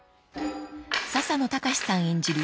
［笹野高史さん演じる